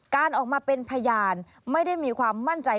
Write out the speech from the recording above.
การออกมาเป็นพยานไม่ได้มีความมั่นใจ